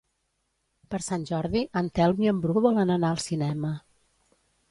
Per Sant Jordi en Telm i en Bru volen anar al cinema.